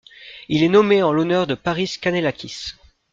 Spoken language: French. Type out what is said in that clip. Il est nommé en l'honneur de Paris Kanellakis.